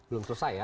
belum selesai ya